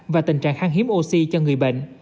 và tình trạng kháng hiếm oxy cho người bệnh